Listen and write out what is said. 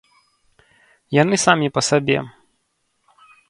Яны самі па сабе.